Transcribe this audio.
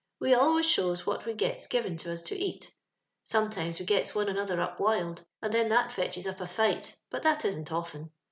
We always shows what we gets given to us to eat. '* Sometimes we gets one another up wild, and then that fetches up a fight, but that isn't often.